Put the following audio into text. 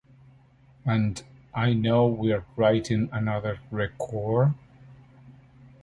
And I know we're writing another recor.